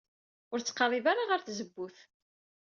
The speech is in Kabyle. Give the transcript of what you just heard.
Ur ttqerrib ara ɣer tzewwut.